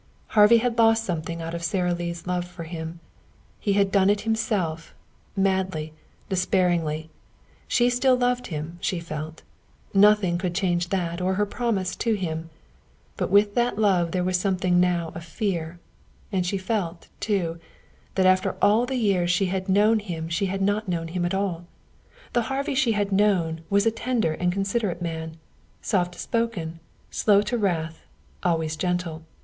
Harvey had lost something out of Sara Lee's love for him. He had done it himself, madly, despairingly. She still loved him, she felt. Nothing could change that or her promise to him. But with that love there was something now of fear. And she felt, too, that after all the years she had known him she had not known him at all. The Harvey she had known was a tender and considerate man, soft spoken, slow to wrath, always gentle.